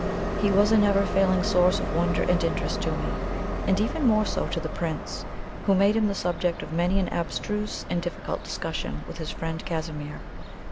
He was a never failing source of wonder and interest to me, and even more so to the Prince, who made him the subject of many an abstruse and difficult discussion with his friend Casimir.